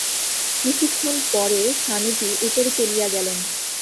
কিছুক্ষণ পরে স্বামীজী উপরে চলিয়া গেলেন।